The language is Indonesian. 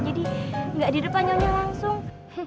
jadi gak di depan nyonya langsung